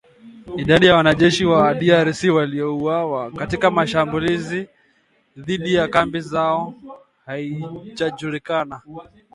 Idadi ya wanajeshi wa DRC waliouawa katika shambulizi dhidi ya kambi zao haijajulikana